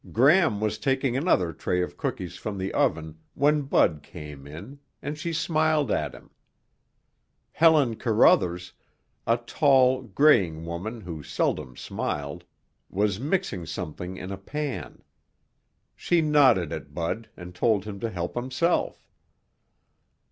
Gram was taking another tray of cookies from the oven when Bud came in and she smiled at him. Helen Carruthers, a tall, graying woman who seldom smiled, was mixing something in a pan. She nodded at Bud and told him to help himself.